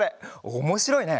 おもしろいね。